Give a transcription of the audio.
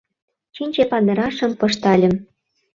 Чинче падырашым пыштальым;